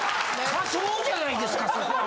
仮想じゃないですかそこは。